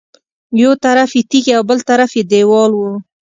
یو طرف یې تیږې او بل طرف یې دېوال و.